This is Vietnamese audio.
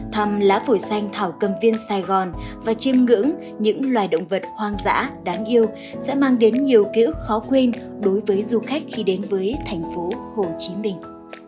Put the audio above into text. thăm lá phổi xanh thảo cầm viên sài gòn và chiêm ngưỡng những loài động vật hoang dã đáng yêu sẽ mang đến nhiều ký ức khó quên đối với du khách khi đến với thành phố hồ chí minh